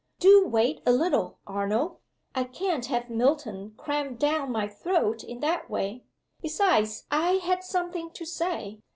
"Do wait a little, Arnold. I can't have Milton crammed down my throat in that way. Besides I had something to say.